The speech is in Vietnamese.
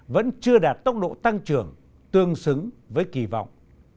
vẫn chưa đạt tốc độ tăng trưởng tương xứng với kỳ vọng